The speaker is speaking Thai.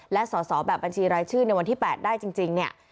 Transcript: และสอสอแบบบัญชีรายชื่อในวันที่๘ได้จริงเนี่ย